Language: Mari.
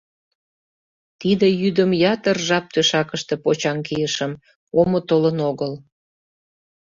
Тиде йӱдым ятыр жап тӧшакыште почаҥ кийышым: омо толын огыл.